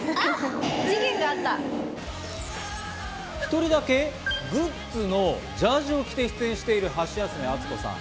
１人だけグッズのジャージーを着て出演してるハシヤスメ・アツコさん。